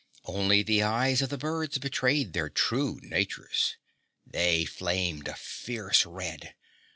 Only the eyes of the birds betrayed their true natures. They flamed a fierce red.